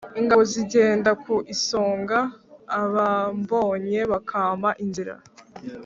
Ingabo nzigenda ku isonga abambonye bakampa inzira